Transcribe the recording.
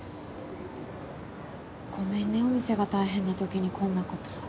ごめんねお店が大変なときにこんなこと。